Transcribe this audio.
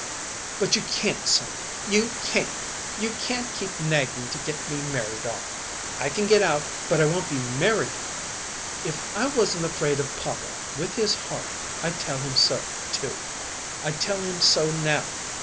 "But you can't sell me you can't! You can't keep nagging to get me married off. I can get out, but I won't be married out! If I wasn't afraid of papa, with his heart, I'd tell him so, too. I'd tell him so now.